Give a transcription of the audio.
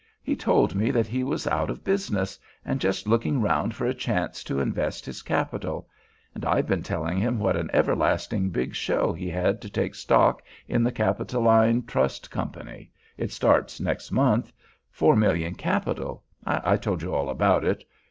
He told me that he was out of business, and just looking round for a chance to invest his capital. And I've been telling him what an everlasting big show he had to take stock in the Capitoline Trust Company—starts next month—four million capital—I told you all about it.